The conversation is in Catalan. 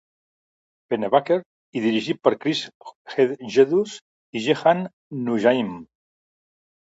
Pennebaker i dirigit per Chris Hegedus i Jehane Noujaim.